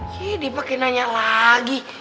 gede pake nanya lagi